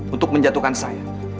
untuk menjatuhkan saya